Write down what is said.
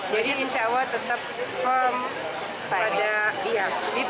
jadi insya allah tetap firm pada iya